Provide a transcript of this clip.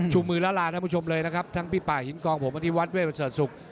ชุมมือแล้วลาท่านผู้ชมเลยนะครับทั้งพี่ป่าหินกองผมอธิวันที่วัดเวทย์บรรเศรษฐศุกร์